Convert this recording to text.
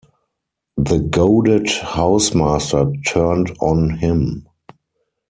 The goaded housemaster turned on him.